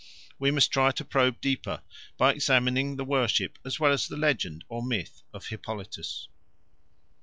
We must try to probe deeper by examining the worship as well as the legend or myth of Hippolytus.